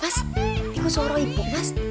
mas ini suara ibu mas